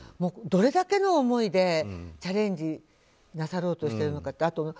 どれだけの思いでチャレンジなさろうとしているのかと。